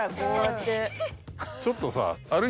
ちょっとさ。